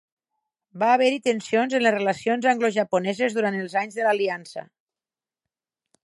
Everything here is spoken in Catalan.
Va haver-hi tensions en les relacions anglo-japoneses durant els anys de l'aliança.